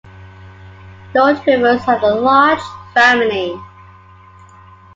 Lord Rivers had a large family.